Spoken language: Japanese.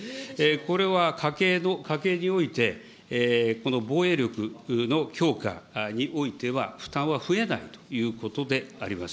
これは家計において、防衛力の強化においては、負担は増えないということであります。